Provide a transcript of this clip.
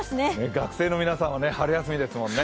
学生の皆さんは春休みですもんね。